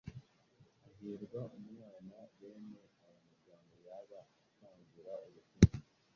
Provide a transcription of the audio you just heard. Hahirwa umwana bene aya magambo yaba akangura urukundo,